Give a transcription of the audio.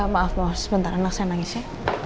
maaf maaf sebentar anak saya nangis ya